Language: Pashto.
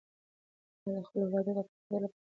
پلار د خپلو اولادونو د پرمختګ لپاره هڅه کوي.